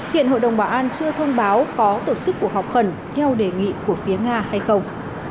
hiện hội đồng bảo an chưa thông báo có tổ chức cuộc họp khẩn theo đề nghị của phía nga hay không